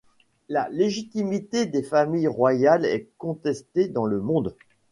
La légitimité des familles royales est contestée dans le monde.